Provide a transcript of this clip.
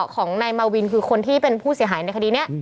ของนายมาวินคือคนที่เป็นผู้เสียหายในคดีนี้